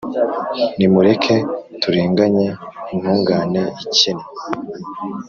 Nimureke turenganye intungane ikennye,